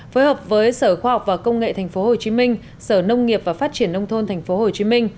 phối hợp với sở khoa học và công nghệ tp hcm sở nông nghiệp và phát triển nông thôn tp hcm